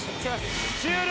終了！